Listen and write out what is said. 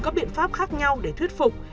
các biện pháp khác nhau để thuyết phục